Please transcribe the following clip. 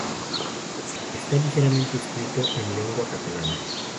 Está íntegramente escrito en lengua catalana.